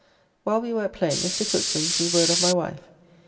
While we were at play Mr. Cook brings me word of my wife.